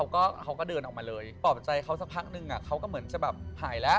เขาก็เดินออกมาเลยปลอบใจเขาสักพักนึงเขาก็เหมือนจะแบบหายแล้ว